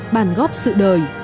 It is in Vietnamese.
bàn góp sự đời